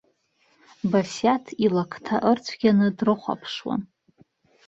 Басиаҭ илақҭа ырцәгьаны дрыхәаԥшуан.